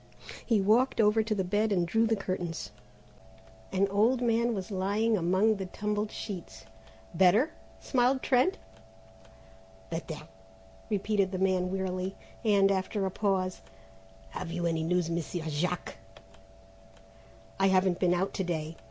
He walked over to the bed and drew the curtains. An old man was lying among the tumbled sheets. "Better?" smiled Trent. "Better," repeated the man wearily; and, after a pause, "Have you any news, Monsieur Jack?" "I haven't been out to day.